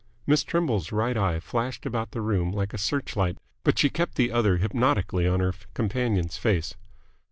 Miss Trimble's right eye flashed about the room like a searchlight, but she kept the other hypnotically on her companion's face.